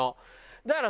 だから